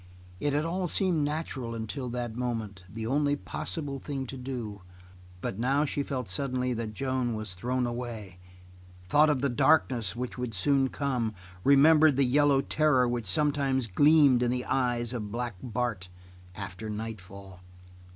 It had all seemed natural until that moment, the only possible thing to do, but now she felt suddenly that Joan was thrown away thought of the darkness which would soon come remembered the yellow terror which sometimes gleamed in the eyes of Black Bart after nightfall.